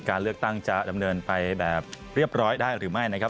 การเลือกตั้งจะดำเนินไปแบบเรียบร้อยได้หรือไม่นะครับ